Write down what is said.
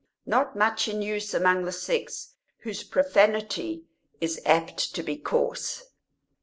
not much in use among the sex whose profanity is apt to be coarse.